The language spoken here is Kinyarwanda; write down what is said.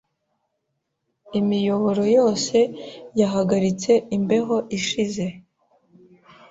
Imiyoboro yose yahagaritse imbeho ishize.